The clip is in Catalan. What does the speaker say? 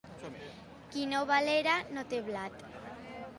Qui no va a l'era no té blat.